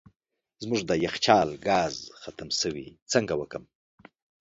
زموږ د یخچال ګاز ختم سوی څنګه وکم